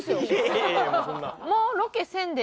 いやいやもうそんな。